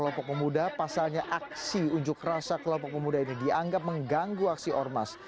tempat ini pasalnya aksi unjuk rasa kek mpm dianggap mengganggu aksi ormas